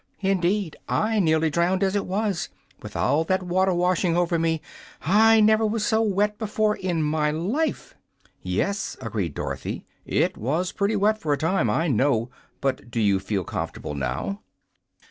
Indeed, I nearly drowned, as it was, with all that water washing over me. I never was so wet before in my life!" "Yes," agreed Dorothy, "it was pretty wet, for a time, I know. But do you feel comfor'ble now?"